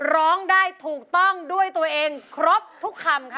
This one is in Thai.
ร้องได้ถูกต้องด้วยตัวเองครบทุกคำค่ะ